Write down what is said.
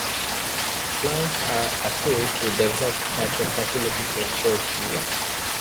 Plans are afoot to develop such a facility in Fort William.